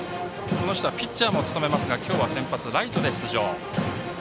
この人はピッチャーも務めますが今日は先発ライトで出場。